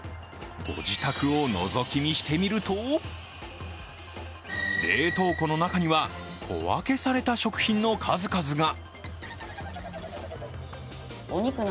ご自宅をのぞき見してみると冷凍庫の中には、小分けされた食品の数々が。